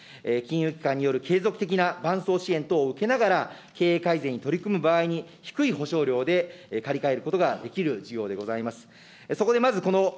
金融機関による継続的な伴走支援等を受けながら、経営改善に取り組む場合に、低い保証料で借り換えることができる事業でございます。